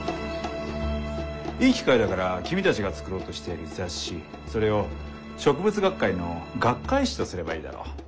いい機会だから君たちが作ろうとしている雑誌それを植物学会の学会誌とすればいいだろう。